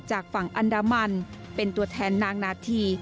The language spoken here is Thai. จากฝั่งอันดามันเป็นตัวแทนนางนาธี